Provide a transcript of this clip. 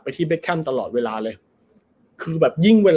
ที่เบคแคมตลอดเวลาเลยคือแบบยิ่งเวลา